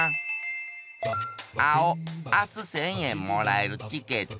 あおあす１，０００えんもらえるチケット。